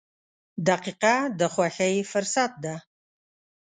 • دقیقه د خوښۍ فرصت ده.